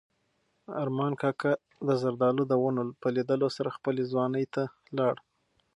ارمان کاکا د زردالو د ونو په لیدلو سره خپلې ځوانۍ ته لاړ.